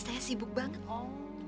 siapa sih afternoon talk